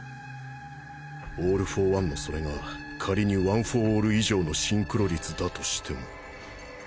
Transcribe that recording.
オール・フォー・ワンのソレが仮にワン・フォー・オール以上のシンクロ率だとしても。